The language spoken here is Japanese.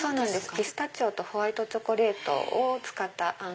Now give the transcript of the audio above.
ピスタチオとホワイトチョコレートを使ったあん。